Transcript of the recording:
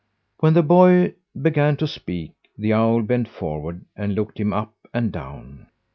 When the boy began to speak, the owl bent forward and looked him up and down.